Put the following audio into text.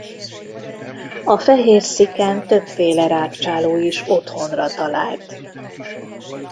A Fehér-sziken többféle rágcsáló is otthonra talált.